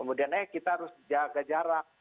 kemudian eh kita harus jaga jarak